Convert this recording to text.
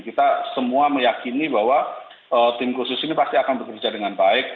kita semua meyakini bahwa tim khusus ini pasti akan bekerja dengan baik